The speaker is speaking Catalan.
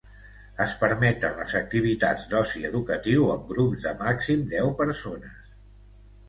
Es permeten les activitats d’oci educatiu amb grups de màxim deu persones.